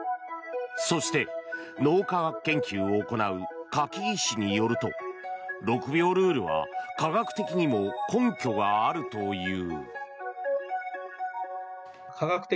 そして、脳科学研究を行う柿木氏によると６秒ルールは科学的にも根拠があるという。